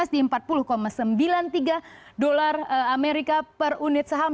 di empat puluh sembilan puluh tiga dolar amerika per unit saham